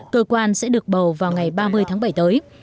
cơ quan sẽ được bầu vào ngày ba mươi tháng bảy tới